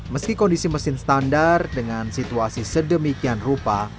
meski kondisi mesin standar dengan situasi sedemikian rupa